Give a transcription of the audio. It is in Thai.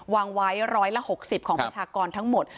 วางไว้๑๖๐ของประชากรทั้งหมด